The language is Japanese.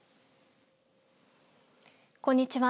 こんにちは。